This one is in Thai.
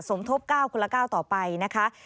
สมทบ๙คนละ๙ต่อไปนะคะ